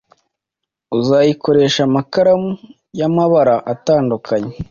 uzakoreshe amakaramu y’amabara atandukanye